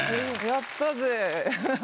やったぜ。